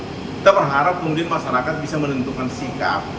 kita berharap kemudian masyarakat bisa menentukan sikap